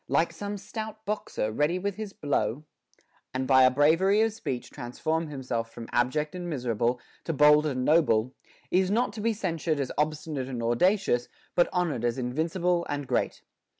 3] 1 Like some stout boxer, ready with his blow,* and by a bravery of speech transform himself from abject and miserable to bold and noble, is not to be censured as obstinate and audacious, but honored as invincible and great.